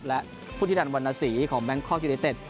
และผู้ที่ดันวรรณสีของแบงค์คอร์กยูไดเต็ด